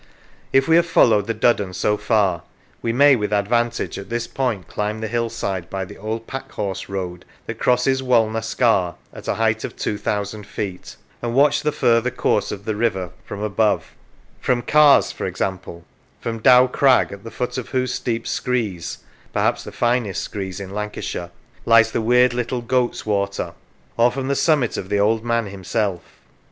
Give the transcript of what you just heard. If we have followed the Duddon so far, we may, with advantage, at this point climb the hillside by the old pack horse road that crosses Walna Scar at a height of two thousand feet, and watch the further course of the river from above: from Carrs, for example; from Dow Crag, at the foot of whose steep screes (perhaps the finest screes in Lancashire) lies the weird little Goat's Water; or from the summit of the Old Man himself.